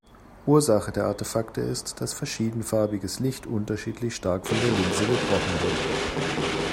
Ursache der Artefakte ist, dass verschiedenfarbiges Licht unterschiedlich stark von der Linse gebrochen wird.